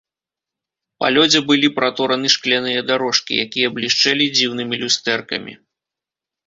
Па лёдзе былі пратораны шкляныя дарожкі, якія блішчэлі дзіўнымі люстэркамі.